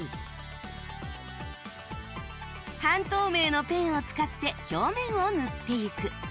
半透明のペンを使って表面を塗っていく